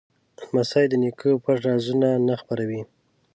لمسی د نیکه پټ رازونه نه خپروي.